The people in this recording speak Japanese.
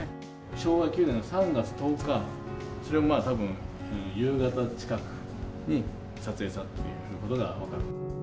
昭和９年の３月１０日、それもまあ、たぶん夕方近くに撮影されたということが分かる。